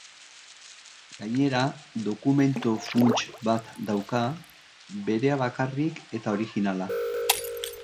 Gainera, dokumentu-funts bat dauka, berea bakarrik eta originala.